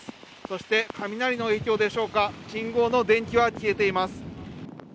そして雷の影響でしょうか信号の電気は消えています。